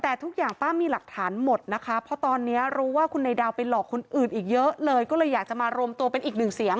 แต่ทุกอย่างป้ามีหลักฐานหมดนะคะเพราะตอนนี้รู้ว่าคุณนายดาวไปหลอกคนอื่นอีกเยอะเลยก็เลยอยากจะมารวมตัวเป็นอีกหนึ่งเสียง